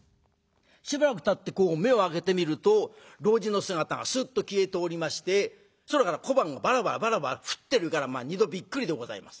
しばらくたってこう目を開けてみると老人の姿がすっと消えておりまして空から小判がバラバラバラバラ降ってるからまあ２度びっくりでございます。